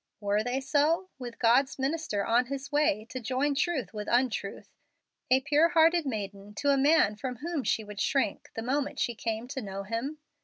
Were they so, with God's minister on his way to join truth with untruth a pure hearted maiden to a man from whom she would shrink the moment she came to know him?